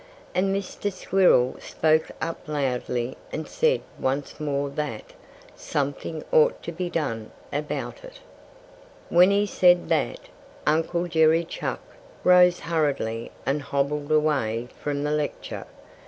And Mr. Squirrel spoke up loudly and said once more that something ought to be done about it. When he said that, Uncle Jerry Chuck rose hurriedly and hobbled away from the lecture.